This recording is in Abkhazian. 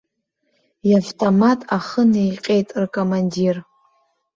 Иавтомат ахы неиҟьеит ркомандир.